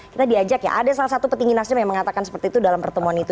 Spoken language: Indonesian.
kita diajak ya ada salah satu petinggi nasdem yang mengatakan seperti itu dalam pertemuan itu